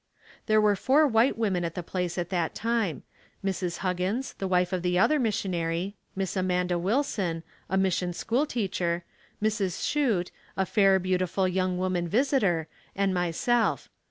There were four white women at the place at that time, Mrs. Huggins, the wife of the other missionary, Miss Amanda Wilson, a mission school teacher, Mrs. Chute, a fair, beautiful young woman visitor and myself.